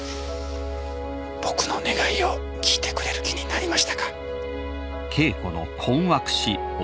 僕の願いを聞いてくれる気になりましたか？